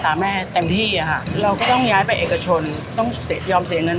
พี่ไม่ยอดมีความรู้สึกให้คุณลักษณะแบบนี้